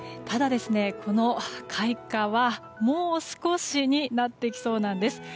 ただ、この開花はもう少しになってきそうなんです。